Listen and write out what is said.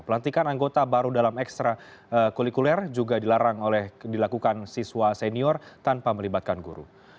pelantikan anggota baru dalam ekstra kulikuler juga dilarang oleh dilakukan siswa senior tanpa melibatkan guru